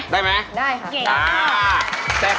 ได้ไหมได้ครับเยี่ยมค่ะอ๋ออ๋ออ๋ออ๋อ